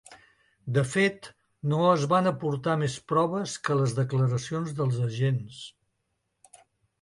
De fet, no es van aportar més proves que les declaracions dels agents.